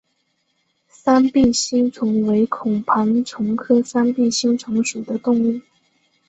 三臂星虫为孔盘虫科三臂星虫属的动物。